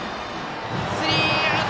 スリーアウト！